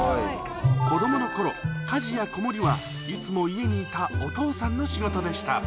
子どものころ、家事や子守は、いつも家にいたお父さんの仕事でした。